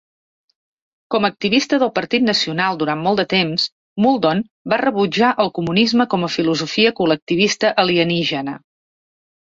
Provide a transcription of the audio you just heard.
Com a activista del Partit Nacional durant molt de temps, Muldoon va rebutjar el comunisme com a filosofia col·lectivista "alienígena".